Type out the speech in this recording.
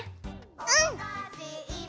うん！